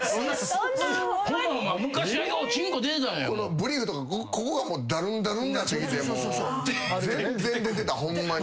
ブリーフとかここがだるんだるんになってきて全然出てたホンマに。